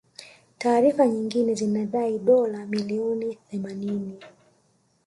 Taarifa nyingine zinadai dola milioni themanini